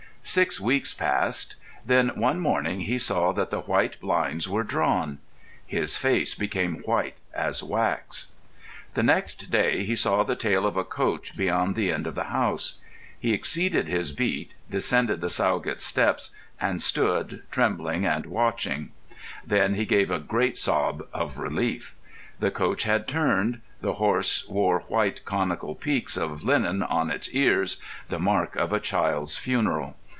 Six weeks passed. Then one morning he saw that the white blinds were drawn. His face became white as wax. The next day he saw the tail of a coach beyond the end of the house. He exceeded his beat, descended the Sowgate Steps, and stood, trembling and watching. Then he gave a great sob of relief. The coach had turned; the horse wore white conical peaks of linen on its ears—the mark of a child's funeral.